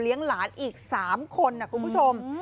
เลี้ยงหลานอีก๓คนคุณผู้ชม